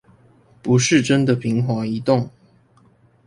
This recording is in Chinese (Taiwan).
不是真的平滑移動